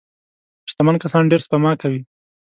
شتمن کسان ډېره سپما کوي.